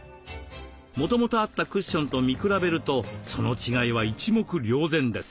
もともとあったクッションと見比べるとその違いは一目瞭然です。